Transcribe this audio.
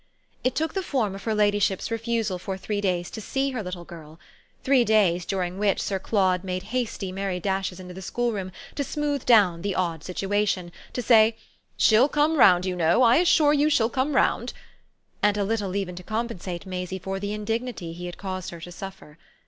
It took the form of her ladyship's refusal for three days to see her little girl three days during which Sir Claude made hasty merry dashes into the schoolroom to smooth down the odd situation, to say "She'll come round, you know; I assure you she'll come round," and a little even to compensate Maisie for the indignity he had caused her to suffer.